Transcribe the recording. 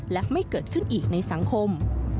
และไม่เกิดขึ้นอีกในสังคม